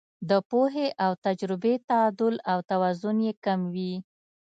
د پوهې او تجربې تعدل او توازن یې کم وي.